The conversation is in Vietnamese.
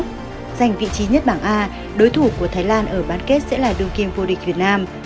giành vị trí nhất bảng a đối thủ của thái lan ở bán kết sẽ là đương kim vô địch việt nam